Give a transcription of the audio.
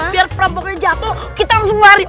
biar perampoknya jatuh kita langsung lari